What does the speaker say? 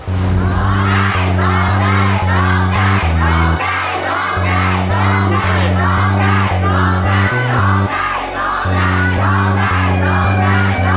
ร้องได้ร้องได้ร้องได้ร้องได้